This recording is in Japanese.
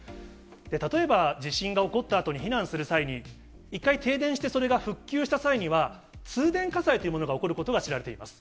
例えば、地震が起こったあとに避難する際に、１回停電して、それが復旧した際には、通電火災というものが起こることが知られています。